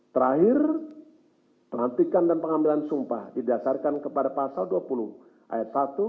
terakhir pelantikan dan pengambilan sumpah didasarkan kepada pasal dua puluh ayat satu